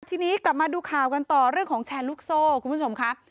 ทีนี้กลับมาดูข่าวกันต่อเรื่องของแชร์ลูกโซ่คุณผู้ชมค่ะ